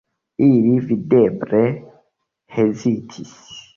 Ili videble hezitis.